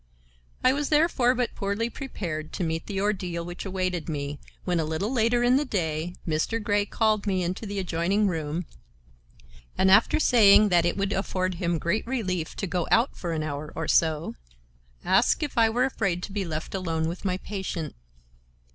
I was therefore but poorly prepared to meet the ordeal which awaited me, when, a little later in the day, Mr. Grey called me into the adjoining room, and, after saying that it would afford him great relief to go out for an hour or so, asked if I were afraid to be left alone with my patient.